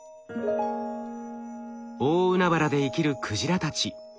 大海原で生きるクジラたち。